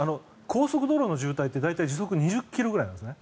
高速道路の渋滞って時速２０ｋｍぐらいなんですね。